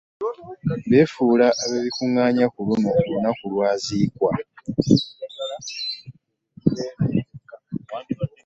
Befuula abibikunganya kuluno olunaku lw'ozikwa .